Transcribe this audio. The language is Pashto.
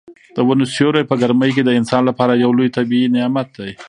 د ونو سیوری په ګرمۍ کې د انسان لپاره یو لوی طبیعي نعمت دی.